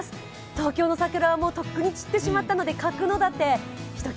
東京の桜はとっくに散ってしまったので角館、ひと際